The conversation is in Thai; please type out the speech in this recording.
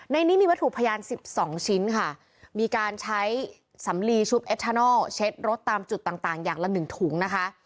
ในนี้มีวัตถุพยาน๑๒ชิ้นค่ะมีการใช้สำลีชุบเอทานอลเช็ดรถตามจุดต่างอย่างละหนึ่งถุงนะคะ